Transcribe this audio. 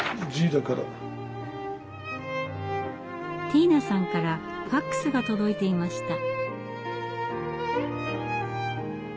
ティーナさんからＦＡＸが届いていました。